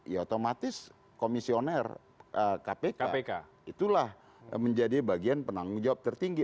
ya otomatis komisioner kpk itulah menjadi bagian penanggung jawab tertinggi